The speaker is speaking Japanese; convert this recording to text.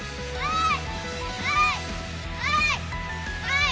はい！